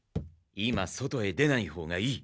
今外へ出ないほうがいい。